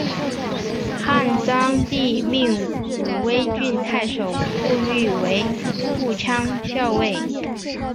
汉章帝命武威郡太守傅育为护羌校尉。